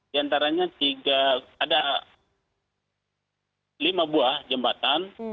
di antaranya ada lima buah jembatan